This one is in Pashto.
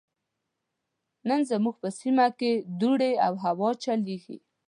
نن زموږ په سيمه کې دوړې او هوا چليږي.